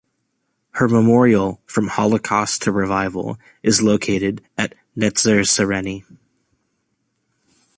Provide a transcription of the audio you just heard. Her memorial "From Holocaust to Revival" is located at Netzer Sereni.